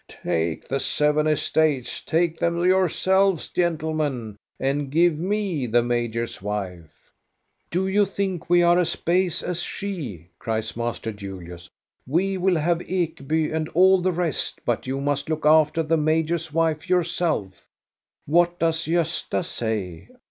"Take the seven estates; take them yourselves, gentlemen, and give me the major's wife !"" Do you think we are as base as she }" cries Master Julius. " We will have Ekeby and all the CHRISTMAS EVE 45 rest, but you must look after the major's wife yourself. "" What does Gosta say